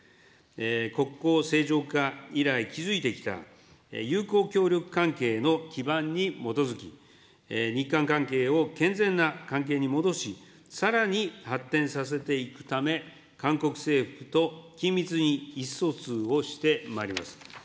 国交正常化以来、築いてきた友好協力関係の基盤に基づき、日韓関係を健全な関係に戻し、さらに発展させていくため、韓国政府と緊密に意思疎通をしてまいります。